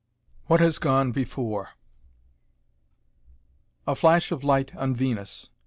WHAT HAS GONE BEFORE A flash of light on Venus!